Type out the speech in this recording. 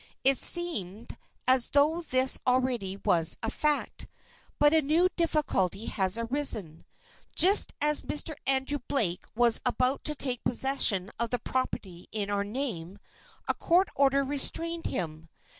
It seemed as though this already was a fact. But a new difficulty has arisen. Just as Mr. Andrew Blake was about to take possession of the property in our name, a court order restrained him.